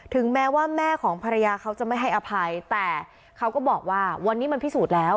ถึงแม้ว่าแม่ของภรรยาเขาจะไม่ให้อภัยแต่เขาก็บอกว่าวันนี้มันพิสูจน์แล้ว